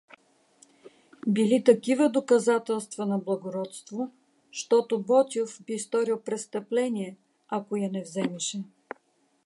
били такива доказателства на благородство, щото Ботйов би сторил престъпление, ако я не вземеше.